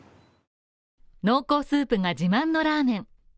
濃厚スープが自慢のラーメン。